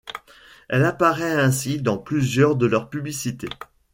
Elle apparaît ainsi dans plusieurs de leurs publicités.